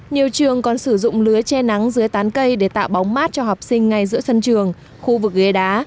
nhiều trường còn sử dụng lứa che nắng dưới tán cây để tạo bóng mát cho học sinh ngay giữa sân trường khu vực ghế đá